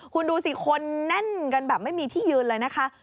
คุณดูสิคนแน่นกันแบบไม่มีที่ยืนเลยนะคะ